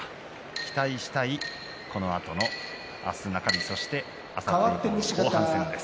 期待したい、このあとの明日中日そしてあさって以降の後半戦です。